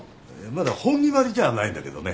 まだ本決まりじゃないんだけどね。